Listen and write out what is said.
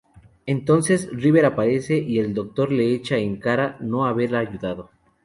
Entonces River aparece, y el Doctor le echa en cara no haber ayudado.